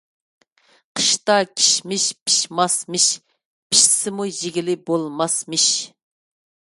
قىشتا كىشمىش پىشماسمىش، پىشسىمۇ يېگىلى بولماسمىش.